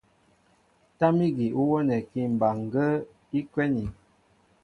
Tâm ígi ú wónɛkí mbaŋgə́ə́ í kwɛ́nī.